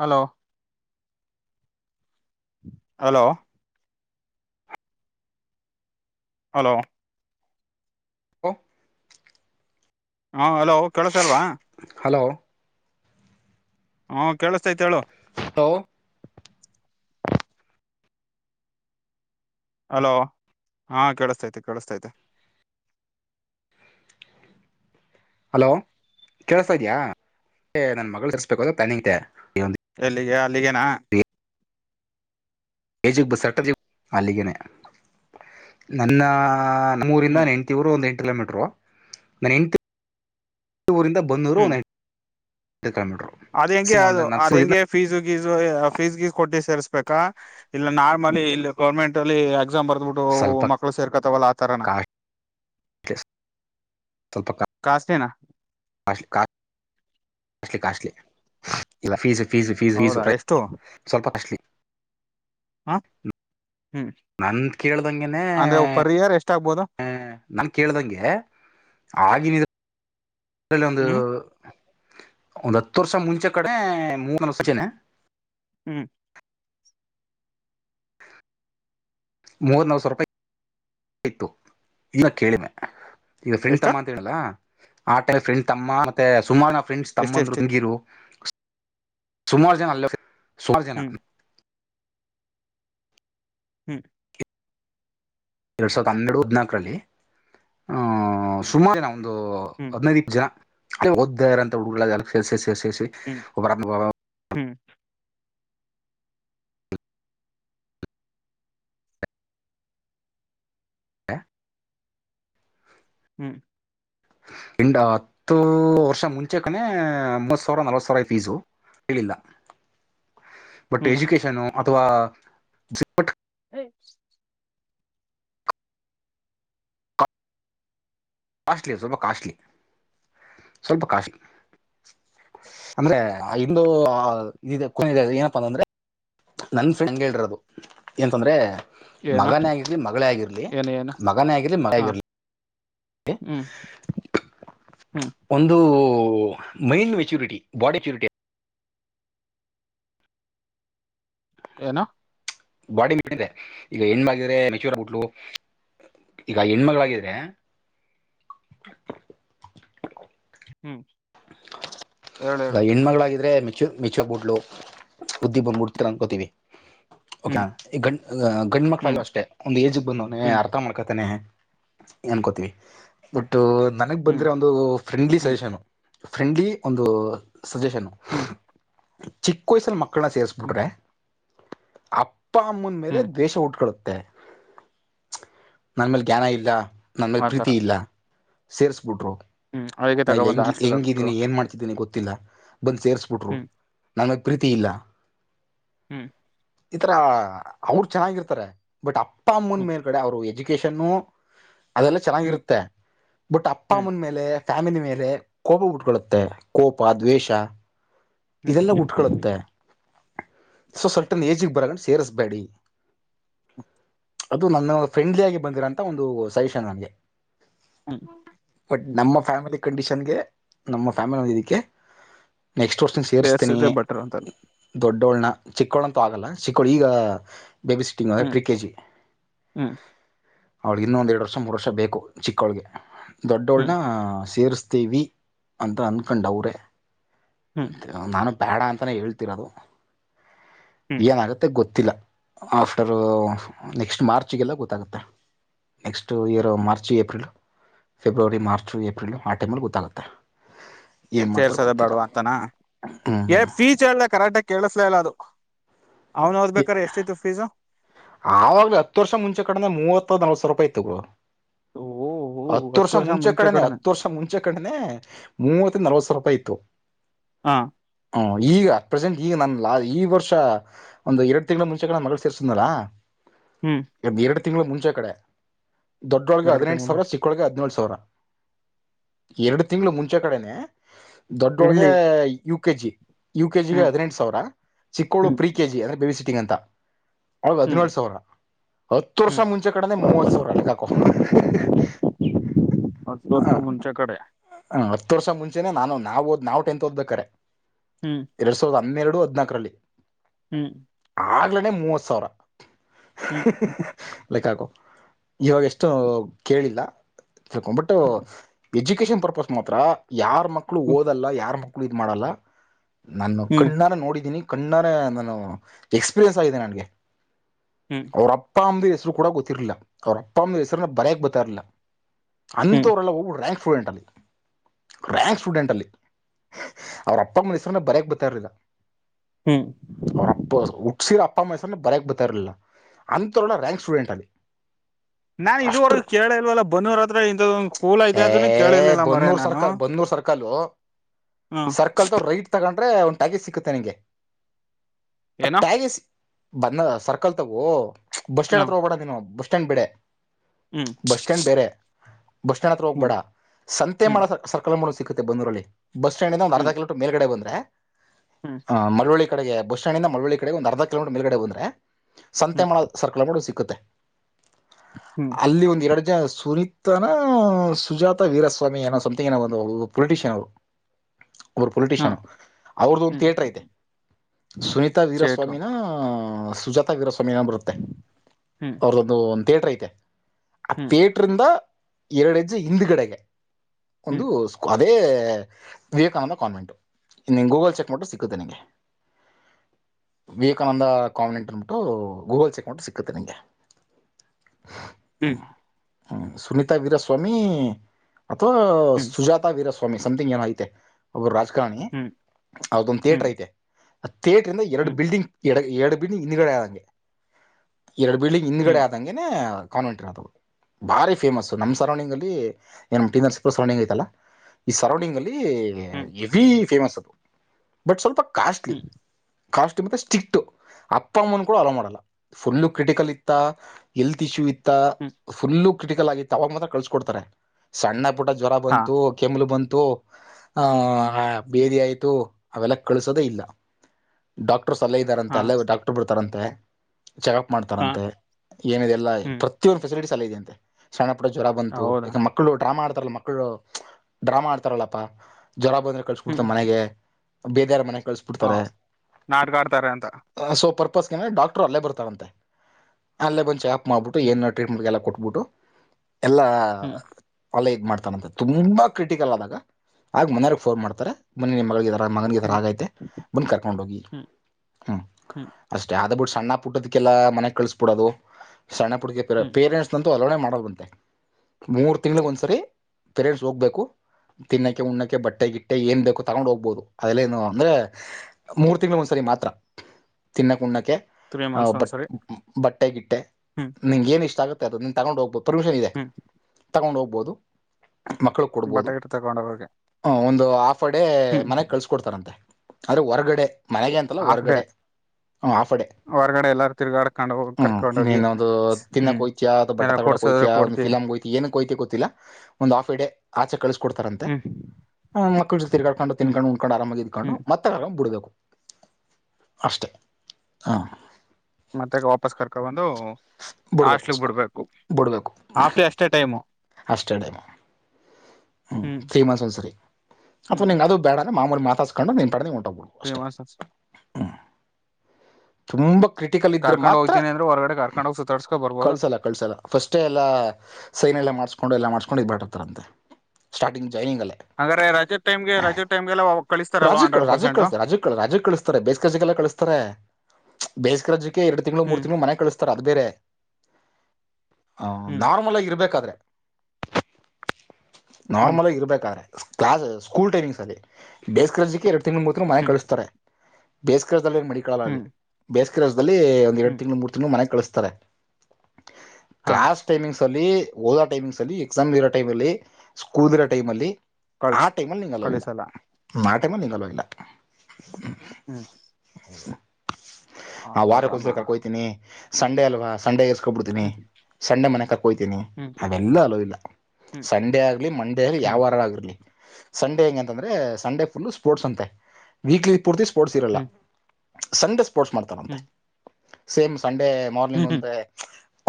Hello hello hello ಹ ಹಾ hello ಕೆೇಳಸ ಅಲ್ವಾ ಹಲೋ ಹಾ ಕೇಳಿಸತೈತ್ ಹೇಳು ಟ್ಟ ಹಲೋ ಹಾ ಕೇಳಸ್ತೈತೆ ಕೇಳಸ್ತೈತೆ ಹಲೋ ಕೇೇಳಸ ಇದ್ಯಾ ಏ ನನ್ ಮಗಳು ಇರಿಸಬೇಕು ಅ ತಂಗ ಎಲ್ಲಿಗೆ ಅಲ್ಲಿಗೆೇನಾ ಏಜಗ್ ಬಸ್ಟ್ಟ ಅಲ್ಲಿಗನೆ ನನ್ನ ಮೂರಿಂದ ಹ್ಮ್ ನಾನ ಎಂವ್ರು ಒಂದ ಎಂಟು ಕಿಲೋಮೀಟ್ರು ನಾನ ಎು ಎ ರಿಂದ ಬನ್ನೂರು ಹ್ಮ್ ಒೆಂಟು ಅದ ಹೆಂಗೆ ಅದು ಅದ ನರ್ಸೂರಿಂದ ಹೆಂಗೆ ಫೀಸು ಫೀಸ್ ಗೀಸ್ ಕೊಟ್ಟಿ ಸೇರಿಸಬೇಕಾ ಇಲ್ಲ ನಾರ್ಮಲಿ ಇಲ್ಲಿ ಗೌರ್ಮೆಂಟ್ ಅಲ್ಲಿ ಬರ್ದ್ಬಿಟ್ಟು ಸ್ವಲ್ಪ ಮಕ್ಳು ಸೇರ್ಕತಾವಲ್ಲ ಆತರನ ಕಾಸ್ಟ್ಲಿ ಸ್ವಲ್ಪ ಕ ಕಾಲಿ ಕಾಸ್ಟ್ಲಿ ಇಲ್ಲ ಫೀಸ್ ಫೀಸ್ ಫೀಸ್ ೀಸು ಹೌದಾ ಎಷ್ಟು ಸ್ವಲ್ಪ ಕಲಿ ಹ ಹ್ಮ್ ನನ್ ಕೇಳ್ದಂಗೆನೆ ಅಂದ್ರೆ ಪರ್ ಇಯರ್ ಎಷ್ಟ ಆಗ್ಬೋದು ನನ್ ಕೇಳ್ದಂಗೆ ಆಗಿನ ಒಂದು ಹ್ಮ್ ಒಂದ್ ಹತ್ತು ವರ್ಷ ಮುಂಚೆ ಕಡೆ ಮೂ ವರ್ಷಚನೆ ಹ್ಮ್ ಮೂರ್ ನವ ಸಾವರ ರೂಪಾಯಿ ಆಯತು ಇನ್ನ ಕೇಳಮೆ ಈಗ ಫ್ರೆಂಡ್ ಎಷ್ಟ ತಮ್ಮ ಅಂತ ಹೇಳಲ್ಲ ಆಟೈಮ್ ಫ್ರೆಂಡ್ ತಮ್ಮ ಮತ್ತೆ ಸುಮಾರು ಫ್ರೆಂಡ್ಸ್ ಎಷ್ಟ ತಮ್ಮಂದರು ಎಷ್ಟಿತ್ತು ತಂಗಿರು ಸುಮಾರು ಜನ ಅಲ್ಲ ಸುಮಾರು ಜನ ಹ್ಮ್ ಹ್ಮ್ ಎರಡ್ ಸಾವಿರದ ಹನ್ನೆರಡು ಹದ್ನಾಲ್ಕರಲ್ಲಿ ಆ ಸುಮಾರ ನ ಒಂದು ಹ್ಮ್ ಹದಿನೈದು ಜನ ಅ ಒದ್ದಂತ ಹುಡುಗ ಸಲ್ಸ ಸೇ ಹ್ಮ್ ಒಬ್ಬರ ಹ್ಮ್ ಇಂಡ ಹತ್ತು ವರ್ಷ ಮುಂಚೆ ಕನೆ ಮೂವತ್ ಸಾವಿರ ನಲ್ವತ್ತು ಸಾವಿರ ಫೀಸು ಹೇಳಿಲ್ಲ ಬಟ್ ಹ್ಮ್ ಎಜುಕೇಶನ್ ಅಥವಾ ಹ್ಮ್ ಕಾಸ್ಟ್ಲಿ ಸ್ವಲ್ಪ ಕಾಸ್ಟ್ಲಿ ಸ್ವಲ್ಪ ಕಾಸ್ಟ್ಲಿ ಅಂದ್ರೆ ಇಂದು ಇದನ ಏನಪ್ಪ ಅಂತ ಅಂದ್ರೆ ನನ್ ಫ್ರೆಂಡ್ಂಗ್ ಹೇಳರದು ಎಂತಂದ್ರೆ ಏನು ಮಗನೇ ಆಗಿರ್ಲಿ ಮಗಳೇ ಆಗಿರ್ಲಿ ಏನು ಏನು ಮಗನೇ ಆಗಿರ್ಲಿ ಮಗಳ ಹಾ ಆಗಿರ್ಲಿ ಹ್ಮ್ ಹ್ಮ್ ಒಂದು ಮೈಂಡ್ ಮೆಚ್ಯೂರಿಟಿ ಬಾಡಿ ಮೆಚ್ಯೂರಿಟಿ ಏನು ಬಾಡಿ ಮೇ ಇದೆ ಈಗ ಹೆಣ್ಣ್ಗಿದ್ರೆ ಮೆಚ್ಯೂರ್ ಆಗ್ಬಿಟ್ಲು ಈಗ ಹೆಣ್ಮಗಳಾಗಿದ್ರೆ ಹ್ಮ್ ಹೇಳು ಹೇಳು ಈಗ ಹೆಣ್ಮಗಳಾಗಿದ್ದ ಅಂದ್ರೆ ಮೆಚ್ಚು ಮಿಚ್ಚುಬಿಡ್ಲು ವುದದ್ದಿ ಬಂದ್ಬಿಡ್ತ ಅನ್ಕೋತವಿ ಹ್ಮ್ ಈ ಗಂಡ್ ಗಂಡ್ ಮಕ್ಳಾಗಿ ಹ್ಮ್ ಅಷ್ಟೇ ಒಂದು್ಏಜಗ್ ಬಂದವನ ಹ್ಮ್ ಅರ್ಥ ಮಾಡ್ಕೊತಾನೆ ನ್ಕೋತೀವಿ ಬಟ್ ನನಗ್ ಹ್ಮ್ ಬಂದಿರೆ ಒಂದು ಫ್ರೆಂಡ್ಲಿ ಹ್ಮ್ ಸಜೆಷನ್ ಫ್ರೆಂಡ್ಲಿ ಒಂದು ಸಜೆಷನ್ ಹ್ಮ್ ಚಿಕ್ಕ ವಯಸ್ಸಲ್ಲಿ ಮಕ್ಕಳ ಮಕ್ಕನ್ನ ಹ್ಮ್ ಸೇರಿಸಬಿಟ್ರೆ ಅಪ್ಪ ಅಮ್ಮನ ಮೇಲೆ ಹ್ಮ್ ದ್ವೇಷ ಉಟ್ಕೊಳ್ಳುತ್ತೆ ನನ್ ಮೇಲ್ ಜ್ಞಾನ ಇಲ್ಲ ನನ್ ಮೇಲ್ ಆತರ ಪ್ರೀತಿ ಇಲ್ಲ ಸೇರಿಸ್ಬಿಟ್ರು ಹ್ಮ್ ಅವಳಿಗೆ ನಾ ಇಲ್ಲಿ ತಗೊಬಂದು ಹೆಂಗಿ ಹಾಸ್ಟೆಲ್ಗೆ ಹಾಕ್ಬಿಟ್ರು ಹೆಂಗಿದ್ದೀನಿ ಏನ್ ಮಾಡ್ತಿದ್ದೀನಿ ಗೊತ್ತು ಬಂದ್ ಸೇರ್ಸ್ಬಿಟ್ರು ಹ್ಮ್ ನನ್ಗ್ ಪ್ರೀತಿ ಇಲ್ಲ ಹ್ಮ್ ಈತರ ಅವರು ಚೆನ್ನಾಗಿರ್ತಾರೆ ಬಟ್ ಅಪ್ಪ ಅಮ್ಮನ ಹ್ಮ್ ಮೇಲ್ ಕಡೆ ಅವರು ಎಜು ಅದೆಲ್ಲ ಹ್ಮ್ ಚೆನ್ನಾಗಿರುತ್ತೆ ಬಟ್ ಅಪ್ಪ ಹ್ಮ್ ಅಮ್ಮನ ಮೇಲೆ ಫ್ಯಾಮಿಲಿ ಮೇಲೆ ಕೋಪ ಉಟ್ಕೊಳ್ಳುತ್ತೆ ಕೋಪ ದ್ವೇಷ ಹ್ಮ್ ಇದೆಲ್ಲ ಉಟ್ಕೊಳ್ಳತ್ತೆ ಸೊ ಸ್ವಲ್ಟ್ಟ ಏಜಿಗೆ ಬರಗಂಡ್ ಸೇಸ್ಬೇಡಿ ಹ ಅದು ನನ್ನ ಫ್ರೆಂಡ್ಲಿಯಗಿ ಬಂದಿರೋಂತ ಒಂದು ಸಜೆಷನ್ ನನ್ಗೆ ಹ ನಮ್ಮ ಫ್ಯಾಮಿಲಿ ಕಂಡೀಷನ್ಗೆ ನಮ್ಮ ಫ್ಯಾಮಿಲಿ ಒ ಇದಕ್ಕೆ ನೆಕ್ಸ್ಟ್ ಅಷ್ಟೋಷ್ಟಿನ ಸೇರ್ಸ್ತೀನಿ ಸೇರ್ಸಿದ್ರೆ ಬೆಟರ್ ಅಂತಾನೆ ದೊಡ್ಡೋಳನ ಚಿಕ್ಕೋಳ ಅಂತೂ ಆಗಲ್ಲ ಚಿಕ್ಕೋಳು ಈಗ ಬೇಬಿ ಸಿಟ್ಟಿಂಗ್ ಅ ಹ್ಮ್ ತ್ರೀ ಕೆಜಿ ಹ್ಮ್ ಅವ್ಳಿಗೆ ಇನ್ನ ಒಂದೆರಡು ವರ್ಷ ಮೂರು ವರ್ಷ ಬೇಕು ಚಿಕ್ಕೊಳಗೆ ದೊಡ್ಡವಳನ್ನ ಹ್ಮ್ ಸೇರಿಸ ದೇವಿ ಅಂತ ಅಂದಕೊಂಡು ಅವರೇ ಹ್ಮ್ ನಾನು ಬೇಡ ಅಂತಾನೇ ಹೇಳ್ತಿರೋದು ಹ್ಮ್ ಏನಾಗತ್ತೆ ಗೊತ್ತಿಲ್ಲ ಆಫ್ಟರ್ ನೆಕ್ಸ್ಟ್ ಮಾರ್ಚ್ಗೆಲ್ಲ ಗೊತ್ತಾಗುತ್ತೆ next year March April February March April ಆ ಟೈಮಲ್ಲಿ ಗೊತ್ತಾಗುತ್ತೆ ಏನು ಮಾಡ್ತಾರೆ ಸೇರ್ಸೋದ ಗೊತ್ತಿಲ್ಲ ಬಡವಾ ಅತನ ಎರಡು ಹ್ಞೂ ಫ್ರಿಡ್ಜ್ ಅಲ್ಲಿ ಕರಾಟೆ ಕೇಳಿಸ್ತಾ ಇಲ್ಲ ಅದು ಅವ್ನು ಓದ್ಬೇಕಾದ್ರೆ ಎಷ್ಟಿತ್ತು ಫೀಸು ಆವಾಗ್ಲ ಹತ್ತು ವರ್ಷ ಮುಂಚೆ ಕಡ ಮೂವತ್ತ ನ [unintelligible] ಹತ್ತು ವರ್ಷ ಮುಂಚೆ ಕಡೆನನೆ ಹತ್ತು ವರ್ಷ ಮುಂಚೆ ಕಡೆನೆ ಮೂವತ್ತ ನಲ್ವತ್ ಸಾವಿರ ರೂಪಾಯಿ ಇತ್ತು ಹಾ ಹ ಈಗ ಅಟ್ ಪ್ರೆಸೆಂಟ್ ಈಗ ನನ್ ಈ ವರ್ಷ ಒಂದು ಎರಡು ತಿಂಳ ಮುಂಚೆ ಕಡೆ ಮಗಳು ಸೇರ್ಸನಲ್ಲ ಹ್ಮ್ ಒಂದು ಎರಡು ತಿಂಳ ಮುಂಚೆ ಕಡೆ ದೊಡ್ಡೊಳಗೆ ಎರಡು ಅದಿನೆಂಟು ತಿಂಗಳು ಸಾವರ ಮುಂಚೆ ಚಕ್ಕಳಗ್ ಹದಿನೇಳು ಸಾವಿರ ಎರಡು ತಿಂಗಳು ಮುಂಚೆ ಕಡೆನೆ ದೊಡ್ಡೊಳಗೆ ಇಲ್ಲಿ ಯ ಕೆ ಜಿ ಯು ಕೆ ಜಿಗೆ ಹ್ಮ್ ಹದಿನೆಂಟು ಸಾವಿರ ಚಿಕ್ಕೋು ಹ್ಮ್ ಪ್ರಿ ಕೆಜಿ ಅಂದ್ರೆ ಬೇಬಿ ಸಿಟಿಂಗ್ ಅಂತ ಅವೌ ಹ್ಮ್ ಹದಿನೇಳಾರು ಸಾವಿರ ಹತ್ತು ವರ್ಷ ಹ್ಮ್ ಮುಂಚೆ ಕಡೆನೆ ಮೂವತ್ತು ಸಾವಿರ ಲೆಕ್ಕ ಹಾಕೋ ಹ ಹತ್ತು ಮುಂಚೆ ಕಡೆ ಹ ಹತ್ತು ವರ್ಷ ಮುಂಚೆನೆ ನಾನುಂದು ನಾವು ನಾವು ತಿಂದು ಹೋಗ್ಬೇಕಾರೆ ಹ್ಮ್ [unintelligible] ಹ್ಮ್ ಆಗ್ಲ ಮೂವತ್ತು ಸಾವಿರ ಹ್ಮ್ ಲೆಕ್ಕಕೋ ಇವಾಗ ಎಷ್ಟು ಕೇಳಿಲ್ಲ ತಿಳ್ಕೊ ಬಟ್ ಎಜುಕೇಷನ್ ಪರ್ಪಸ್ ಮಾತ್ರ ಯಾರ ಮಕ್ಕಳು ಹ್ಮ್ ಓದಲ್ಲ ಯಾರ ಮಕ್ಕಳು ಇದು ಮಾಡಲ್ಲ ನಾನು ಹ್ಮ್ ಕಣ್ಣಾನ ನೋಡಿದ್ದೀನಿ ಕಣ್ಣನ ನಾನ ಎಕ್ಸ್ಪೀರಿಯೆನ್ಸ್ ಆಗಿದೆ ನನ್ಗೆ ಹ್ಮ್ ಅವ್ರ ಅಪ್ಪ ಅಮ್ಮ ಹೆಸರು ಕೂಡ ಗೊತ್ತಿರ್ಲಿಲ್ಲ ಅವ್ರ ಅಪ್ಪ ಅಮ್ಮ ಹೆಸರುನ್ನ ಬರೆಯಕ್ ಬೊತ್ತಾಾರಲಿಲ್ಲ.. ಹ್ಮ್ ಅಂಥವರೆಲ್ಲ ಒಬ್ಬರು ರ್ಯಾಂಕ್ ಫೂಡೆಂಟ್ ಅಲ್ಲಿ.. ರ್ಯಾಂಕ್ ಸ್ಟೂಡೆಂಟ್ ಅಲ್ಲಿ ಅವ್ರ ಅಪ್ಪಮ್ಮನ ಹೆಸ್ರನ್ನ ಬರಕ್ ಬರ್ತಾರ್ಲಿಲ್ಲ.. ಹ್ಮ್ ಅವರಪ್ಪ. ಹುಟ್ಸಿರ ಅಪ್ಪ ಮೈಸನ ಬರಯಕ್ ಬರ್ತಾ ಇರಲಿಲ್ಲ ಅಂಥವಲ್ಲ ರ್ಯಾಂಕ್ ಸ್ಟೂಡೆಂಟ್ ಅಲ್ಲಿ.. ನಾನ್ ಅಷ್ಟ್ರ ಇದುವರೆಗ ಕೇಳ ಇಲ್ವಲ್ಲ ಬಂದವರ್ತ್ರ ಇಂತ.. ಬನ್ನೂರ್ ಸರ್ ಬೊನ್ನೂರ್ ಸರ್ಕಲ್.. ಹ್ಮ ಸರ್ಕಲ್ದು ರೈಟ್ ತಗೊಂಡ್ರೆ ಒಂದು ಟಾಗಿ ಸಿಕ್ಕುತ್ತೆ ನಿಂಗೆ.. ಆ ಏನೋ. ಟ್ಯಾಗೇಜ್ ಬಂದ ಸರ್ಕಲ್ ತಗೋ ಬಸ್ ಸ್ಟಾಂಡ್ ಹತ್ರ ಹೋಗಬೇಡ ನೀನು ಬಸ್ ಸ್ಟ್ಯಾಂಡ್ ಬಿಡೆ.. ಹ್ಮ್ ಬಸ್ ಸ್ಟ್ಯಾಂಡ್ ಬೇರೆ.. ಬಸ್ ಸ್ಟ್ಯಾಂಡ್ ಹತ್ರ ಹ್ಮ್ ಹೋಗ್ಬೇಡ ಸಂತೆ ಮ ಹ್ಮ್ ಸರ್ಕಲ್ ಮೂಲ ಸಿಗುತ್ತೆ ಬಂದರಲ್ಲಿ.. ಬಸ್ ಸ್ಟ್ಯಾಂಡ್ಂದ ಒಂದಂದು ಅರ್ಧ ಹ್ಮ್ ಕಿಲೋಮೀಟರ್ ಮೇಲ್ಗಡೆ ಬಂದ್ರೆ ಹ್ಮ್ ಹ್ಮ್ ಮಳವಳ್ಳಿ.. ಡೆ ಬಸ್ಟಾಂಡ್ ಇಂದ ಮಳವಳ್ಳಿ ಕಡೆ ಒಂದು ಅರ್ ಕಿೋಮೀಟರ್ ಮೇ ಕಡೆಂದೆ ಹ್ಮ್ ಸಂತೆಮಳ ಸರ್ಕಲ್ ಸಿ.. ಹ್ಮ್ ಅಲ್ಲಿ ಒಂದು ಎರಡು ಜನ ಸುನತ.. ಸುಜಾತ ವೀರಸ್ವಾಮಿ ಏನೋ ಸಮಥಂಗ್ ಏಂದ ಪೊಲಿಟಿಷಿಯನ್ ಅವರು.. ಅವರು ಹಾ ಪೊಲಿಟಿಷಿಯನ್ ಅವ್ರದ್ದ ಒಂದು ಹ್ಮ್ ಥಿಯೇಟರ್ ಐತೆ ಸುನೀತಾ ಚೇಟ್ರು ವೀರಸ್ವಾಮಿನ.. ಸುಜಾತಾಗಿರೋ ಸಮವಾಮಯನ ಬರುತ್ತೆ ಹ್ಮ್ ಅವ್ರದೊಂದು ಒಂದು ಥಿಯೇಟ್ರ ಐತೆ.. ಆ ಹ್ಮ್ ಥಿಯೇಟ್ರಿಂದ ಎರಡು ಹೆಜ್ಜೆ ಹಿಂದೆಗಡೆಗೆ ಒಂದು ಹ್ಮ್ ಸ್ವ.. ಅದೇ ವಿವೇಕಾನಂದ ಕಾನ್ವೆಂಟ್ ಗೂಗಲ್ ಚೆಕ್ ಮಾಡಟ್ಟು ಸಿಕ್ಕುತ್ತೆ ನಗೆ.. ವಿವೇಕಾನಂದ ಕಾವಿನೆಂಟ್ ಅನ್ಬಿಟ್ಟು ಗೂಗಲ್ಸ್ಕ್ಕಿಟ್ಟು ಸಿಕ್ಕುತ್ತೆ ನಿಂಗೆ.. [unintelligible] ಹ್ಮ್ ಹ್ಮ ಸುನೀತಾ ವೀರಸ್ವಾಮಿ ಅಥವಾ ಹ್ಮ್ ಸುಜಾತಾ ವೀರಸ್ವಾಮಿ.. ಸ್ವಾಮಿ ಸಮಥಿಂಗ್ ಏನ ಐತೆ ಒಬ್ಬರು ರಾಜಕಾರಣಿ ಹ್ಮ್ ಅವದೊಂದು ಥಿಯೇಟರ್ ಹ್ಮ್ ಐತೆ.. ಸ್ಟೇಟ್ ಇಂದ ಎರಡು ಹ್ಮ್ ಬಿಲ್ಡಿಂಗ್ ಎ ಎರಡು ಬಿಲ್ಡಿಂಗ್ ಹಿಂದಗಡೆ ಆದಂಗೆ.. ಎರಡು ಬಿಲ್ಡಿಂಗ್ ಹಿಂದ್ಗಡೆ ಹ್ಮ್ ಆದಂಗೆನೆ ಕಾವೆಂಟ್ದು ಭಾರಿ ಫೇಮಸ್ ನಮ್ಮ ಸರೌಂಡಿಂಗ್ ಅಲ್ಲಿ ಏಟ ಸೂಪರ್ ಸರೌಂಡಂಗ್ ಐತಲ್ಲ ಈ ಸರೌಂಡಂಗ್ ಅಲ್ಲಿ.. ವಿ ಹೆವಿ ಅ ಬ ಸ್ವಲ್ಪ ಹ್ಮ್ ಕಸ್ಲಿ ಹ್ಮ್ [unintelligible] ಕಾಸ್ಟಿೆ ಸ್ಟಿಕ್ ಅಪ್ಪ ಅಮ್ಮನ ಕೂಡ ಅಲ ಮಾಡೋಲ್ಲ ಫುಲ್ಲು ಕ್ರಿಟಿಕಲ್ ಇತ್ತ ಎಲ್ತ್ ಇಶ್ಯೂ ಇತ್ತ.. ಹ್ಮ್ ಫುಲ್ಲು ಕ್ರಿಟಿಕಲ್ ಆಗಿ ತಾವಾಗ ಮಾತ್ರ ಕಳಸಕೊಡ್ತಾರೆ ಸಣ್ಣ.. ಪುಟ ಜ್ವರ ಹಾ ಬಂತು ಕೆಮಲು ಬಂತು.. ಆ ಬೇದಿ ಆಯ್ತು ಅವೆಲ್ಲ ಕಳಸೋದೇ ಇಲ್ಲ ಡಕ್.. ಟರ್ ಅಲ್ಲೇ ಇದಾರಂತೆ ಹಾ ಅಲ್ಲ ಡಕ್ಟರ್ ಬಿರ್ತಾರಂತೆ.. ಚೆಕ್ಪ್ ಹಾ ಮಾಡ್ತಾರಂತೆ ಏನಿದೆ ಎಲ್ಲ ಹ್ಮ್ ಪ್ರತಿಯೊಂದು ಫೆಸಿಲಿಟೀಸ್ ಎಲ್ಲ ಇದೆಯಂತೆ ಸಣ.. ಜ್ವರ ಬಂತು ಹೌದಾ ಯಾಕ ಮಕ್ಕಳು ಡ್ರಾಮಾ ಆಡ್ತಾರಲ್ಲ ಮಕ್ಕಳು ಡ್ರಾಮಾ ಆಡ್ತಾರಲ್ಲಪ್ಪಾ.. ಜವಾಬ ಅಂದ್ರೆ ಕಳ್ಸಕ ಕೊಡ್ತ ಹ್ಮ್ ಮನೆಗೆ ಬೇದ ಮನೆ.. ಹ ಕಳ್ಸಬಿಡ್ತಾರೆ ನಾಟಕ ಆಡ್ತಾರೆ ಅಂತ ಸೋಪರ್.. ತಪ್ಪಸ್ಗೆೇ ಡಾಕ್ಟ್ರು ಅಲ್ಲೇ ಬರ್ತಾರಂತೆ ಅಲ್ಲೇ ಬಂದು ಚೆಕಪ್ ಮಾಡಿಬಿಟ್ಟು ಹ್ಮ್ ಏನು ಟ್ರೀಟ್ಮೆಂಟ್ಗೆಲ್ಲ ಕೊಟ್ಬಿಟ್ಟು.. ಎಲ್ಲಾ.. ಹ್ಮ್ ಅಲ್ಲೇ ಇದ ಮಾಡ್ತಾನಂತೆ ತುಂಬಾ ಕ್ರಿಟಿಕಲ್ ಆದಾಗ ಆಗ ಮನೆಯವಿಗೆ ಫೋನ್ ಮಾಡ್ತಾರೆ ಮನ ನಿ ಮಗಳ.. ಮಗನಿಗೆದ ಹ್ಮ್ ಆಗೈತೆ ಮುಂದ್ ಕರ್ಕೊಂಡು ಹೋಗಿ ಹ್ಮ್ ಹ್ಮ ಹ್ಮ್ ಅಷ್ಟೇ ಆದ ಬಿುಡ್ಸ.. ಸಣ್ಣ ಪುಟ್ಟದಕ್ಕೆಲ್ಲ ಮನೆಗ್ ಕಳಿಸ್ಬಿಡೋದು ಸಣ್ಣ ಪುಟ್ಟಕ್ಕೆ ಹ್ಮ್ ಪೇರೆಂಟ್ಸ್ ಅಂತೂ ಹಲವಡೆೆ ಮಾಡದ ಬಂತೆ.. ಮೂರ್ ತಿಂಗಳಗ್ ಒಂದ್ಸರಿ ಪೇರೆಂಟ್ಸ್ ಹೋಗ್ಬೇಕು.. ತಿನ್ನಕ್ಕೆೆ ಉಣ್ಣಕ್ಕೆ ಬಟ್ಟೆ ಗಿಟ್ಟೆ ಏನ್ ಬೇಕೋ ತಗೊಂಡ್ ಹೋಗ್ಬಹುದು ಅದಲ್ಲೇಏನು ಅಂದ್ರೆ ಮೂರ್ ತಿಂಗಳು ಒಂದ್ಸರಿ.. ಮಾತ್ರ ಚಿನ್ನ ಕುಣ್ಣಕ್ಕೆ.. ತ್ರೀ ಮಂತ್ಸ್ ಬ ಒಂದ್ಸರಿ ಬಟ್ಟೆ ಗಿಟ್ಟೆ ಹ್ಮ್ ನಿಂಗೆ ಏನ್ ಇಷ್ಟ ಆಗುತ್ತೆ ಅದುನ್ ತಗೊಂಡ್ ಹೋಗ್ಬಹುದು.. ಪರ್ಮಿಷನ್ ಇದೆ ಹ್ಮ್ ತಗೊಂಡ ಹೋಗ್ಬೋದು ಮಕ್ಕಳಿಗೆ ಕೊಡ್ಬೋದು ಬಟ್ಟೆ ಗಿಟ್ಟ ತಗೊಂಡ ಹೋಗಿ ಒಂದು.. ಇದು ಹಾಫ್ ಅ ಡೇ ಹ್ಮ್ ಮನೆಗೆ ಕಳಸಕೊಡ್ತಾರಂತೆ ಆದ್ರರೆ ಹೊರ್ಗಡೆ ಮನೆಗೆ ಅಂತಲ್ಲ ಹಾಫ್ ಡೇ ಹೊರ್ಗಡೆ.. ಹ ಆಫ್ ಅಡೆ ಹೊರಗಡೆ ಎಲ್ಲಾರು ತಿರ್ಗಾಡ್ಕೊಂಡ್ ಹೋಗಿ ಹ್ಮ ಕರ್ಕೊಂಡ್ ಹೋಗಿ ನೀನ್ನೊಂದು ತಿನ್ನ ಹ್ಮ್ ಕೊಯ್ಚ ಅಥವಾ ಬಟ್ಟೆ ಏನಾರ ತಗಡ ಕೊಡ್ಸೋದ್ರೆ ಕೊಯ್ತಿಯ ಒ ಕೊಡ್ಸಿ ಫಿಲಮ್ಯ್ತಿ ಏನ ಕೊಯ್ತ ಗೊತ್ತಲ್ಲ ಒಂದು ಆಫ್ ಎ ಡೇ ಆಚೆ ಕಳಿಸಕೊಡ್ತಾರಂತೆ ಹ್ಮ್ ಮಕ್ಕಳ ಜೊ ತಿರ್ಗಕೊಂಡು ಹ್ಮ್ ತಿನ್ಕೊಂಡು ಉಂದ್ಕು ಆರಾಮಾಗಿ ಇದ್ಕೊಂಡು ಹ್ಮ್ ಮತ್ತೆ ಆರ್ ಬಿಡ್ಬೇಕು ಅಷ್ಟೇ ಹಾ ಮತ್ತೆಗ ವಾಪಸ್ ಕರ್ಕೊ ಬ ದು ಹಾಸ್ಲಿಗ್ ಬಿಡ್ಬೇಕು ಹಾಫಲಿ ಅಷ್ಟೇ ಟೈಮು ಅಷ್ಟ ಡೈಮ ಹ್ಮ್ ತ್ರೀ ಮಂತ್ ಒಂದ ಸರಿ ಅಥವಾ ಹ್ಮ್ ನಿ ಅದು ಬೇಡ ಅ್ರೆ ಮಾಮೂಲಿ ಮಾತಾಸ್ಕೊಂಡು ನಿನ್ ಪ [inaudible] ತುಂಬಾ ಕ್ರಿಟಿಕಲ್ ಇದ್ರೆ ಕರ್ಕೊಂಡ್ ಮಾತ್ರ ಹೋಗ್ತೀನಿ ಅಂದ್ರೆ ಹೊರಗಡೆ ಕರ್ಕೊಂಡ್ ಹೋಗಿ ಸುತ್ತಾಡ್ಸ್ಕೊ ಬರ್ಬೋದು ಕಳ್ಸಲ್ಲ ಕಳ್ಸಲ್ಲ ಫಸ್ಟೇ ಎಲ್ಲ ಸೈನ್ ಎಲ್ಲ ಮಾಡ್ಸ್ಕೊಂಡು ಎಲ್ಲ ಮಾಡ್ಸ್ ಬತಾರಂತೆ ಸ್ಟಾರ್ಟಿಂಗ್ ಜಾಯ್ನಿಂಗಲ್ಲೇ ಹಾಗಂಗ್ರೆ ರಜೆ ಟೈಮ್ಗೆ ರಜೆ ಟಮ್ಗೆಲ್ಲ ರಾಜ ರಾಜ ಕಳಿಸತಾರೆ ರಾಜ ರಾಜ ಕಳಿಸ್ತಾರೆ ಬೇಸಿಗೆ ರಾಜೆಲ್ಲ ಕಳಿಸ್ತಾರೆ ಬೇಸಿಗೆ ರಾಜ ಎರಡು ತಿಂಗಳು ಮೂರು ಹ್ಮ್ ತಿಂಗಳು ಮನೆ ಕಳಿಸ್ತಾರೆ ಅದು ಬೇರೆ ಹ್ಮ್ ನಾರ್ಮಲ್ ಆಗ ಇರ್ಬೇಕಾದ್ರೆ ಹ್ಮ್ ನಾರ್ಮಲ್ ಆಗ ಇರ್ಬೇಕಾದ್ರೆ ಕ್ಲಾ ಸ್ಕೂಲ್ ಟೈಮಿಂಗ್ಸ್ ಅಲ್ಲಿ ಬೇಸ್ ಕಜ ಎ ತಿ ಮೂ ಮನೆ ಹ್ಮ್ ಕಳಿಸ್ತಾರೆ ಬೇಸರದಲ್ಲಿ ಮೆಡಿಕಲ್ಲಿ ಹ್ಮ್ ಬೇಸ ಒಂದ್ ಎರಡು ಹ್ಮ್ ತಿಂಗಳು ಮೂರ್ ತಿಂಗಳು ಮನೆ ಕಳಿಸ್ತಾರೆ ಹಾ ಕ್ಲಾಸ್ ಟೈಮಿಂಗ್ಸ್ ಅಲ್ಲಿ ಹೋದಾ ಟೈಮಿಂಗ್ಸ್ ಅಲ್ಲಿ ಎಕ್ಸಾಮ್ ಇರೋ ಟೈಮ್ಲ್ಲಿ ಸ್ಕೂಲ್ ಇರೋ ಟೈಮ ಅಲ್ಲಿ ಆ ಕಳ್ಸ ಟೈಮಲ್ಲಿ ನಿಂಗ ಅಲ್ಲಲ್ಲ ಕಳಿಸಲ್ಲ ಆ ಟೈಮಲ್ಲಿ ನಿಂಗ ಅಲ್ಲೋಗಲ್ಲ ಹ್ಮ್ ಆ ವಾರಕ್ಕೆ ಆತರಾನ ಹದ್ರೆ ಕರ್ಕೋಯ್ತೀನಿ ಸಂಡೆ ಅಲ್ವಾ ಸಂಡೇ ಇ ಬಿಡ್ತೀನಿ ಹ್ಮ್ ಸ್ಣೆ ಮನೆ ಕಕ್ಕೋಯ್ತೀನಿ ಹ್ಮ್ ಅವೆಲ್ಲ ಅಲೋ ಇಲ್ಲ ಹ್ಮ್ ಸಂಡೆ ಆಗ್ಲಿ ಮಂಡೇ ಆಗ್ಲಿ ಯಾವ ಹ್ಮ್ ಹ್ಮ್ ವಾರ ಆಗರ್ಲಿ ಸಂಡೆ ಹೆಂಗೆ ಅಂತಂದ್ರೆ ಸಂಡೆ ಫುಲ್ಲು ಸ್ಪೋರ್ಟ್ಸ್ ಅಂತೆ ವೀಕ್ಲಿ ಪೂರ್ತಿ ಸ್ಪೋರ್ಟ್ಸ್ ಇರಲ್ಲ ಹ್ಮ್ ಸಂಡೆ ಸ್ಪೋರ್ಟ್ಸ್ ಮಾಡ್ತಾರಂತೆ ಹ್ಮ್ ಸೇಮ್ ಸಂಡೇ ಮಾರ್ನಿಂಗ್ ಹ್ಮ್ ಅಂತೆ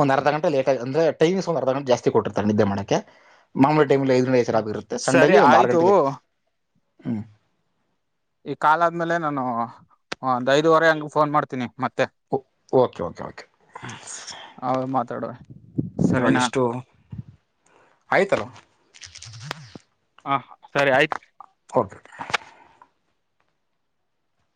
ಒಂದ್ರ್ಧಂಟೆ ಲೇಕ ಅಂದ್ರ ಟೈಮ್ಸ್ ಒಂದು ಅರ್ಧ ಗಂಟ ಜಸ್ತಿ ಕೊಟ್ಟಿರ್ತ ನಿದ್ದೆ ಮಾಡಕ್ಕೆ ಮಾ ಮಲ್ಲಿ ಐದು ಚರಾ ಹ್ಮ್ ಇರುತ್ತೆ ಸರಿ ಸಂಡೇಲಿ ಒಂದು ಆರು ಆಯ್ತು ಗಂಟೆಗೆ ಹ್ಮ್ ಈ ಕಾಲ ಆದ್ಮೇಲೆ ನಾನು ಒಂದ್ ಐದುವರೆ ಹಂಗ ಫೋನ್ ಮಾಡ್ತೀನಿ ಮತ್ತೆ ಓಕೆ ಓಕೆ ಓಕೆ ಮಾತಾಡುವ ಇವಾಗ ಸರಿನಾ ಎಷ್ಟು ಆಯ್ತಲ್ವಾ ಹಾ ಸರಿ ಆಯ್ತ್ು ಓಕೆ